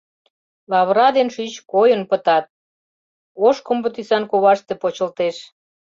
Лавыра ден шӱч койын пытат, ош комбо тӱсан коваште почылтеш.